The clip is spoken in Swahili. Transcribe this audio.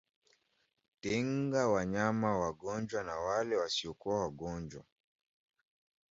Tenga wanyama wagonjwa na wale wasiokuwa wagonjwa